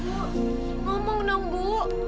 ada apa sih bu ngomong dong bu